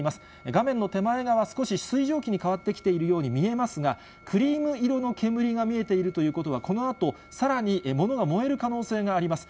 画面の手前側、少し水蒸気に変わってきているように見えますが、クリーム色の煙が見えているということは、このあと、さらに物が燃える可能性があります。